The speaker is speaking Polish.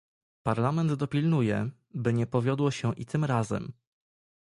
Parlament dopilnuje, by nie powiodło się i tym razem